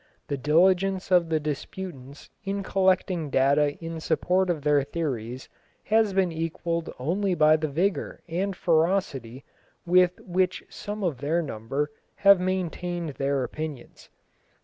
The diligence of the disputants in collecting data in support of their theories has been equalled only by the vigour and ferocity with which some of their number have maintained their opinions.